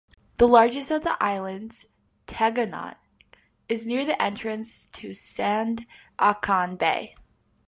The largest of the islands, Taganak, is near the entrance to Sandakan Bay.